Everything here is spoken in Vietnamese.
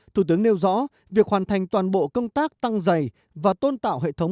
thủ tướng nêu rõ việc hoàn thành toàn bộ công tác tăng dày và tôn tạo hệ thống